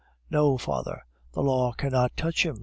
"No, father, the law cannot touch him.